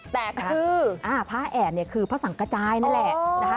แต่คือพระแอดคือพระสังกระจายนั่นแหละ